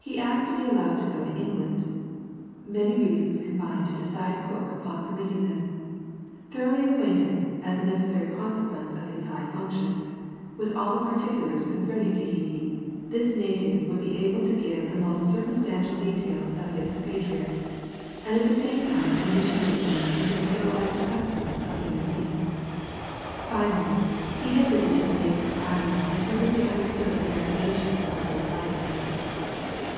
He asked to be allowed to go to England. Many reasons combined to decide Cook upon permitting this. Thoroughly acquainted (as a necessary consequence of his high functions) with all the particulars concerning Tahiti, this native would be able to give the most circumstantial details of his compatriots, and at the same time to initiate them into the civilized customs of the Europeans. Finally, he had visited the neighbouring islands and perfectly understood the navigation of those latitudes.